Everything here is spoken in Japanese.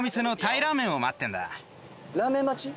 ラーメン待ち？